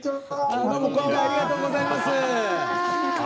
ありがとうございます。